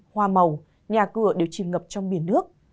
hoa màu nhà cửa đều chìm ngập trong biển nước